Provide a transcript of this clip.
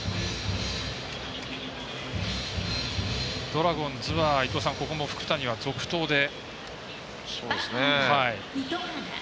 ドラゴンズはここも福谷は続投で。